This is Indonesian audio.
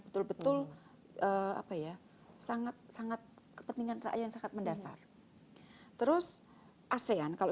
betul betul apa ya sangat sangat kepentingan rakyat sangat mendasar terus asean kalau